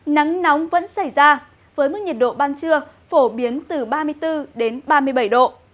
nắng nóng vẫn xảy ra với mức nhiệt độ ban trưa phổ biến từ ba mươi bốn đến ba mươi bảy độ